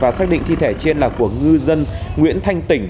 và xác định thi thể trên là của ngư dân nguyễn thanh tỉnh